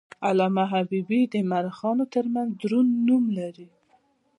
علامه حبیبي د مورخینو ترمنځ دروند نوم لري.